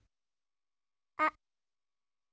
あっ。